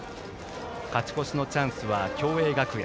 勝ち越しのチャンスは共栄学園。